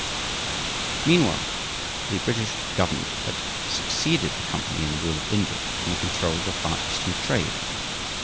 Meantime the British government had succeeded the company in the rule of India and the control of the far Eastern trade.